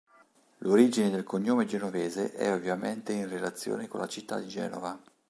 L'origine del cognome Genovese è ovviamente in relazione con la città di Genova.